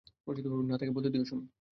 না, তাকে বলতে দাও, শুনি।